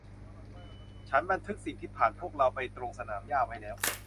ฉันบันทึกสิ่งที่ผ่านพวกเราไปตรงสนามหญ้าไว้แล้ว